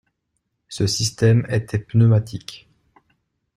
Ce système était pneumatique.